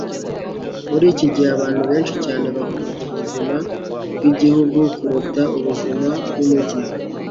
Muri iki gihe abantu benshi cyane bakunda ubuzima bwigihugu kuruta ubuzima bwumujyi